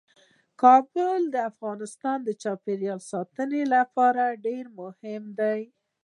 کابل د افغانستان د چاپیریال ساتنې لپاره ډیر مهم دی.